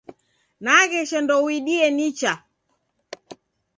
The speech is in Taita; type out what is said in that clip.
Nagesha ndouidie nicha.